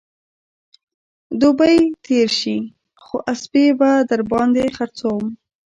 دوبى تېر شي نو اسپې به در باندې خرڅوم